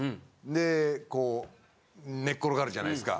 でこう寝っ転がるじゃないですか。